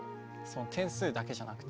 点数だけじゃなくて。